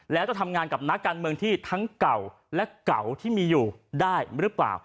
แล้วจะทำงานกับนักการเมืองที่ทั้งเก่าและเก่าที่มีอยู่ได้หรือเปล่า